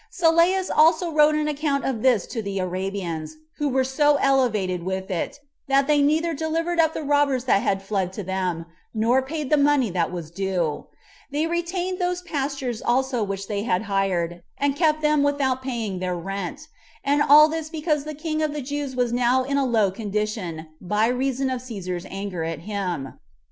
Sylleus also wrote an account of this to the Arabians, who were so elevated with it, that they neither delivered up the robbers that had fled to them, nor paid the money that was due; they retained those pastures also which they had hired, and kept them without paying their rent, and all this because the king of the Jews was now in a low condition, by reason of Cæsar's anger at him.